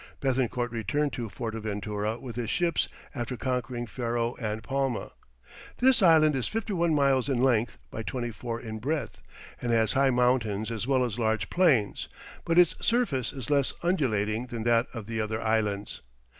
Béthencourt returned to Fortaventura with his ships after conquering Ferro and Palma. This island is fifty one miles in length by twenty four in breadth, and has high mountains as well as large plains, but its surface is less undulating than that of the other islands.